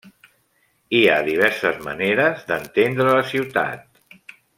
Hi ha diverses maneres d'entendre la ciutat.